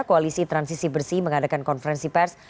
koalisi transisi bersih mengadakan konferensi pers